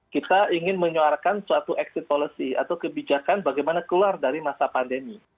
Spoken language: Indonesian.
kita ingin menyuarkan suatu exit policy atau kebijakan bagaimana keluar dari masa pandemi